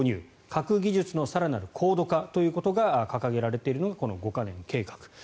核技術の更なる高度化ということが掲げられているのがこの五カ年計画。